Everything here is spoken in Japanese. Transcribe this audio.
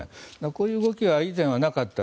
こういう動きが以前はなかった。